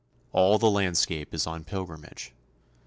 All the landscape is on pilgrimage.